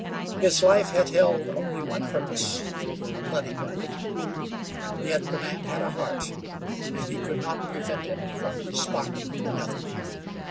His life had held only one purpose a bloody one. Yet the man had a heart, and he could not prevent it from responding to another.